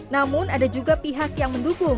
namun ada juga pihak yang mendukung